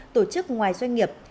tổ chức ngoài doanh nghiệp